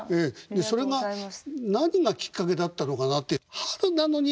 でそれが何がきっかけだったのかなって「春なのに」